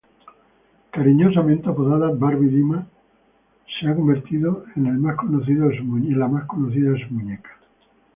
Cariñosamente apodada "Barbie Dilma", se ha convertido en el más conocido de sus muñecas.